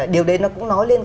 điều đấy nó cũng nói lên